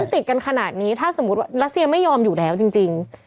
ติดกันขนาดนี้ถ้าสมมุติว่ารัสเซียไม่ยอมอยู่แล้วจริง